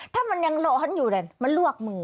ถ้ามันยังร้อนอยู่มันลวกมือ